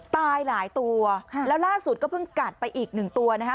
ตายหลายตัวค่ะแล้วล่าสุดก็เพิ่งกัดไปอีกหนึ่งตัวนะคะ